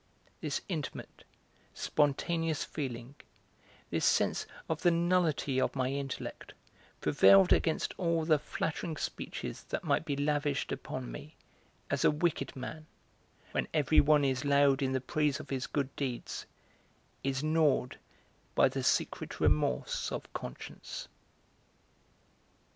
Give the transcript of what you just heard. This intimate, spontaneous feeling, this sense of the nullity of my intellect, prevailed against all the flattering speeches that might be lavished upon me, as a wicked man, when everyone is loud in the praise of his good deeds, is gnawed by the secret remorse of conscience.